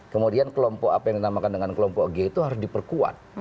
kemudian kelompok apa yang dinamakan dengan kelompok g itu harus diperkuat